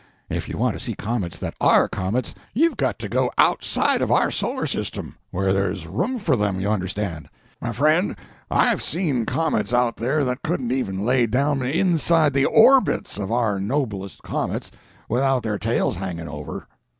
If you want to see comets that are comets, you've got to go outside of our solar system—where there's room for them, you understand. My friend, I've seen comets out there that couldn't even lay down inside the orbits of our noblest comets without their tails hanging over.